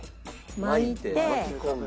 巻いて巻き込んで。